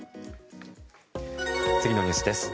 次のニュースです。